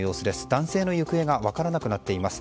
男性の行方が分からなくなっています。